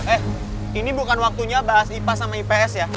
eh ini bukan waktunya bahas ipa sama ips ya